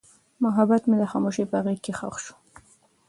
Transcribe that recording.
محبت مې د خاموشۍ په غېږ کې ښخ شو.